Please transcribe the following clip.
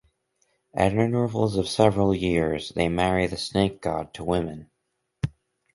At intervals of several years, they marry the snake-god to women.